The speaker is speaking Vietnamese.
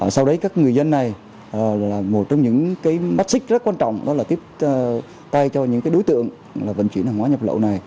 sau đấy các người dân này là một trong những mắt xích rất quan trọng đó là tiếp tay cho những đối tượng vận chuyển hàng hóa nhập lậu này